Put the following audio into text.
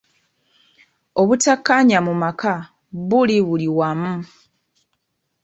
Obutakkaanya mu maka buli buli wamu.